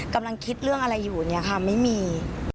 กำลังคิดเรื่องอะไรอยู่เนี่ยค่ะไม่มี